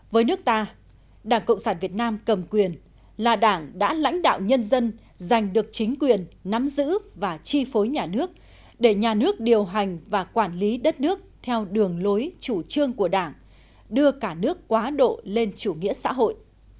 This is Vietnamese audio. với nước ta đảng cộng sản việt nam cầm quyền là đảng đã lãnh đạo nhân dân giành được chính quyền nắm giữ và chi phối nhà nước để nhà nước điều hành và quản lý đất nước theo đường lối chủ trương của đảng đưa cả nước quá độ lên chủ nghĩa xã hội